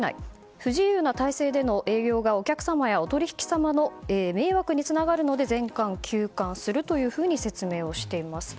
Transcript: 不自由な体制での営業はお客様やお取引様の迷惑につながるので全館休館すると説明しています。